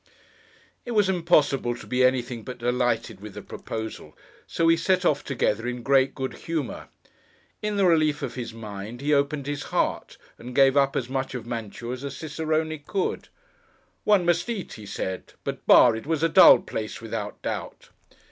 It was impossible to be anything but delighted with the proposal, so we set off together in great good humour. In the relief of his mind, he opened his heart, and gave up as much of Mantua as a Cicerone could. 'One must eat,' he said; 'but, bah! it was a dull place, without doubt!